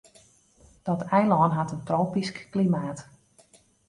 Dat eilân hat in tropysk klimaat.